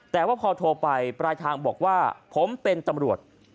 แต่ว่าพอโทรไปปลายทางบอกว่าผมเป็นตำรวจ